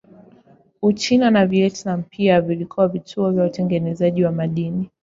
Uchina na Vietnam pia vilikuwa vituo vya utengenezaji wa madini.